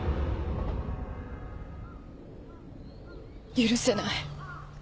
許せない。